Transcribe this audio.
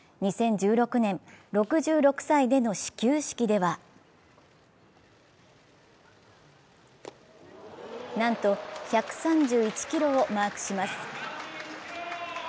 ２０１６年、６６歳での始球式ではなんと１３１キロをマークします。